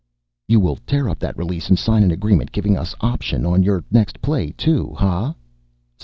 "You will tear up that release and sign an agreement giving us option on your next play too, ha?"